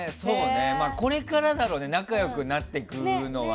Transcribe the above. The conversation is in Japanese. これからだろうね仲良くなっていくのは。